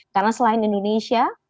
karena selain indonesia